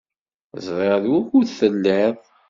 Ẓriɣ d wukud telliḍ.